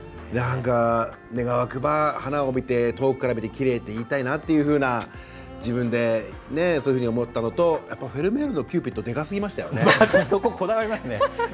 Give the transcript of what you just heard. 願わくば花を遠くから見てきれいと言いたいなという自分でそういうふうに思ったのとやっぱりフェルメールのキューピッドでかすぎましたよね。